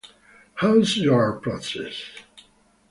How's Your Process?